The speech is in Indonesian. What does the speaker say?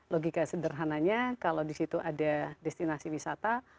logika sederhananya kalau disitu ada destinasi wisata